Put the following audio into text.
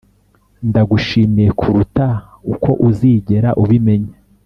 ndagushimiye kuruta uko uzigera ubimenya.